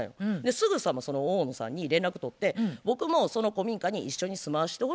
すぐさまその大野さんに連絡取って僕もその古民家に一緒に住まわしてほしいって